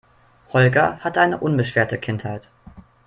Holger hatte eine unbeschwerte Kindheit.